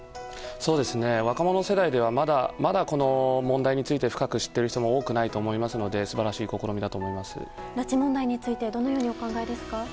そうですね、若者世代ではまだこの問題について深く知っている人も多くないので拉致問題についてどのようにお考えですか。